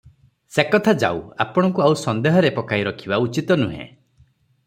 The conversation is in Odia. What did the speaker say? ସେକଥା ଯାଉ, ଆପଣଙ୍କୁ ଆଉ ସନ୍ଦେହରେ ପକାଇ ରଖିବା ଉଚିତନୁହେଁ ।